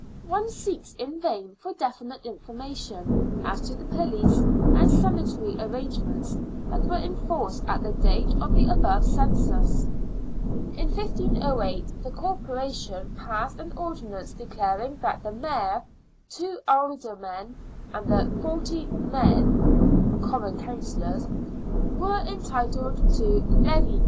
One seeks in vain for definite information as to the police and sanitary arrangements that were in force at the date of the above census. In 1508 the Corporation passed an ordinance declaring that the mayor, two aldermen, and the forty " men " (common councillors) were entitled to 26 SIXTEENTH CENTURY BRISTOL.